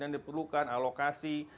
yang diperlukan alokasi